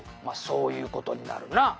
「まあそういう事になるな」